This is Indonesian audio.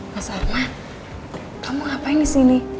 mas arma kamu ngapain disini